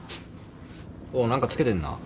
おお何かつけてんな。